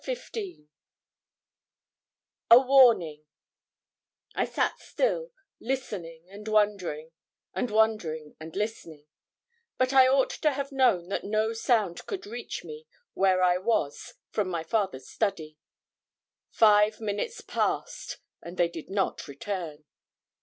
CHAPTER XV A WARNING I sat still, listening and wondering, and wondering and listening; but I ought to have known that no sound could reach me where I was from my father's study. Five minutes passed and they did not return.